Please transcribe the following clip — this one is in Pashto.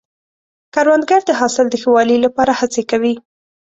کروندګر د حاصل د ښه والي لپاره هڅې کوي